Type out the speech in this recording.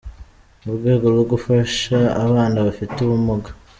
mu rwego rwo gufasha abana bafite ubumuga.